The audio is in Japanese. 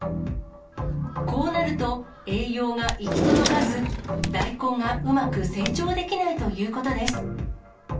こうなると、栄養が行き届かず、大根がうまく成長できないということです。